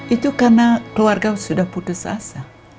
itu karena keluarga sudah putus asa